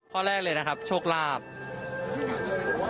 ข้อแรกเลยนะครับโชคลาภ